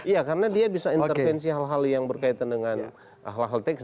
iya karena dia bisa intervensi hal hal yang berkaitan dengan hal hal teks